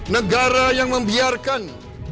negara yang membiarkan